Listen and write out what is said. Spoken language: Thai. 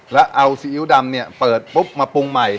แล้วเอาซีอิ๊วดำเนี่ยเปิดปุ๊บมาปรุงใหม่